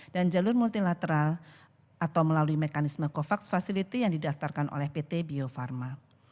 dan jalur multilateral atau melalui mekanisme covax facility yang didaftarkan oleh pt bio farma